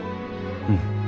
うん。